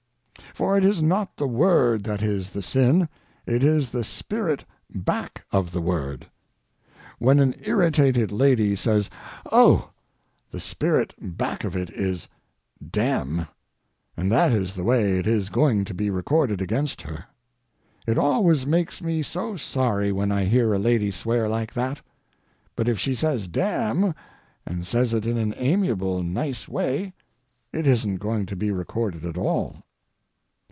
For it is not the word that is the sin, it is the spirit back of the word. When an irritated lady says "oh!" the spirit back of it is "damn!" and that is the way it is going to be recorded against her. It always makes me so sorry when I hear a lady swear like that. But if she says "damn," and says it in an amiable, nice way, it isn't going to be recorded at all.